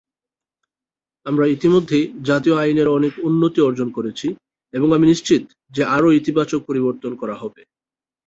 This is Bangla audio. আমরা ইতিমধ্যেই জাতীয় আইনের অনেক উন্নতি অর্জন করেছি এবং আমি নিশ্চিত যে আরও ইতিবাচক পরিবর্তন করা হবে।